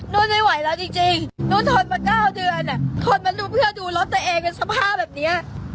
ไม่ไหวแล้วจริงนู่นทนมา๙เดือนทนมาดูเพื่อดูรถตัวเองกันสภาพแบบนี้